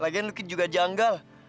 lagian luki juga janggal